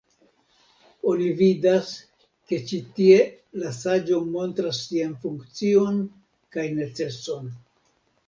Oni vidas ke ĉi tie la saĝo montras sian funkcion kaj neceson.